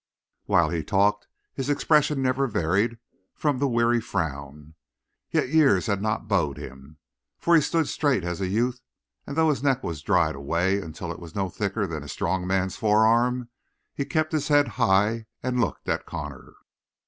While he talked his expression never varied from the weary frown; yet years had not bowed him, for he stood straight as a youth, and though his neck was dried away until it was no thicker than a strong man's forearm, he kept his head high and looked at Connor.